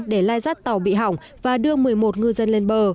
để lai rắt tàu bị hỏng và đưa một mươi một ngư dân lên bờ